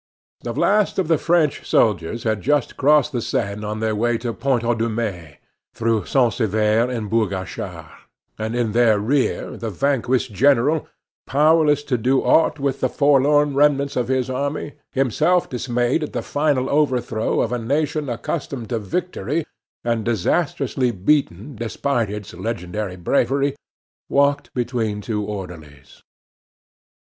The last of the French soldiers had just crossed the Seine on their way to Pont Audemer, through Saint Sever and Bourg Achard, and in their rear the vanquished general, powerless to do aught with the forlorn remnants of his army, himself dismayed at the final overthrow of a nation accustomed to victory and disastrously beaten despite its legendary bravery, walked between two orderlies.